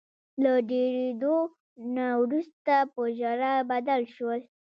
له ډیریدو نه وروسته په ژړا بدل شول.